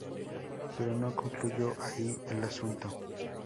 Pero no concluyó ahí el asunto.